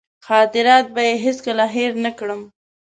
خاطرات به یې هېڅکله هېر نه کړم.